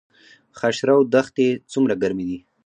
خاشرود دښتې څومره ګرمې دي؟